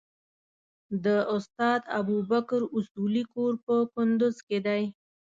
د استاد ابوبکر اصولي کور په کندوز کې دی.